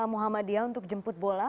muhammadiyah untuk jemput bola